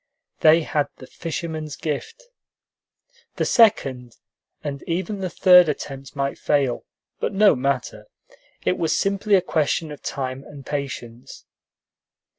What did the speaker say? They had the fisherman's gift. The second, and even the third attempt might fail, but no matter; it was simply a question of time and patience.